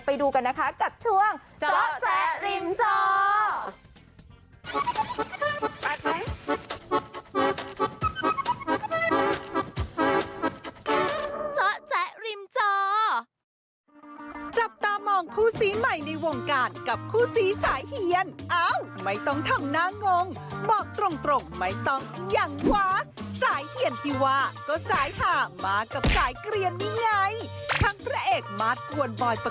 ไปดูกันนะคะกับช่วงเจาะแจ๊ริมจอ